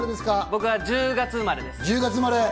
僕は１０月生まれです。